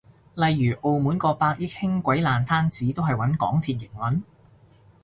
例如澳門個百億輕軌爛攤子都係搵港鐵營運？